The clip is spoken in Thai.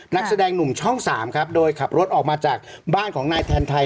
นักแสดงหนุ่มช่อง๓ครับโดยขับรถออกมาจากบ้านของนายแทนไทย